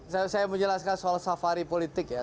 saya menjelaskan soal safari politik ya